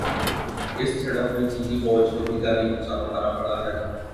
اس جھڑپ میں چینی فوج کو بھی جانی نقصان اٹھانا پڑا ہے